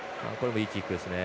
いいキックですね。